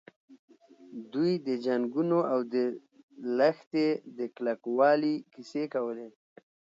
دوی د جنګونو او د لښتې د کلکوالي کیسې کولې.